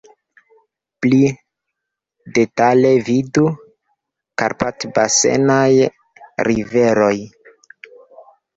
Pli detale vidu: Karpat-basenaj riveroj.